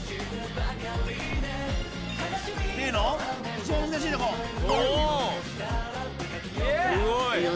一番難しいとこ！いいよ！